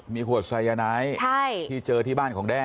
มีขวดไซยาไนท์ที่เจอที่บ้านของแด้